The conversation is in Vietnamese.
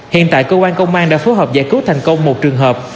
hiện tại cơ quan công an đã phối hợp giải cứu thành công một trường hợp